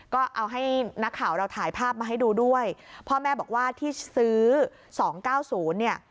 ก็เอาให้นักข่าวเราถ่ายภาพมาให้ดูด้วยพ่อแม่บอกว่าที่ซื้อสองเก้าศูนย์เนี่ย